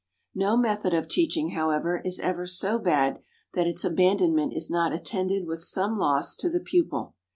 No method of teaching, however, is ever so bad that its abandonment is not attended with some loss to the pupil.